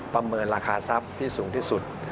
ประเมินราคาทรัพย์ที่สูงที่สุด